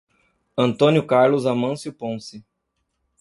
Antônio Carlos Amancio Ponce